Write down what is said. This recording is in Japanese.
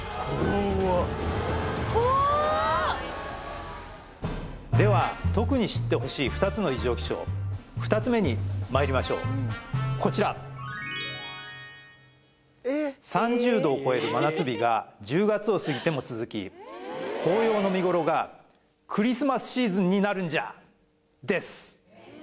怖では特に知ってほしい２つの異常気象２つ目にまいりましょうこちら３０度を超える真夏日が１０月を過ぎても続き紅葉の見頃がクリスマスシーズンになるんじゃ！です